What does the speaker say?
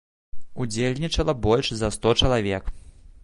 Удзельнічала больш за сто чалавек.